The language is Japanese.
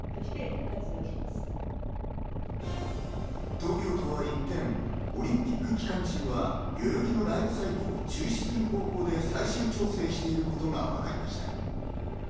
東京都は一転、オリンピック期間中は代々木のライブサイトを中止する方向で最終調整していることがわかりました。